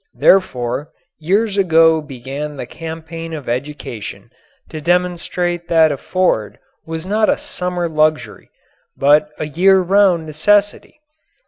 Therefore, years ago began the campaign of education to demonstrate that a Ford was not a summer luxury but a year round necessity.